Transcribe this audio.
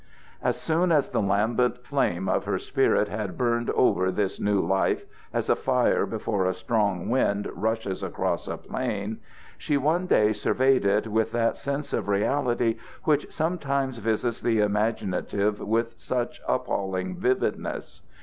As soon as the lambent flame of her spirit had burned over this new life, as a fire before a strong wind rushes across a plain, she one day surveyed it with that sense of reality which sometimes visits the imaginative with such appalling vividness.